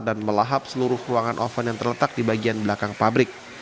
dan melahap seluruh ruangan oven yang terletak di bagian belakang pabrik